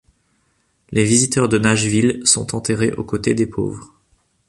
Les visiteurs de Nashville sont enterrés aux côtés des pauvres.